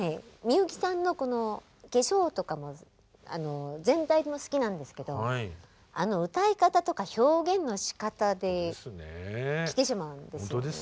みゆきさんのこの「化粧」とかも全体も好きなんですけどあの歌い方とか表現のしかたできてしまうんですよ。